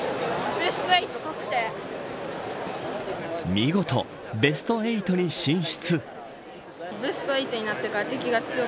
見事、ベスト８に進出。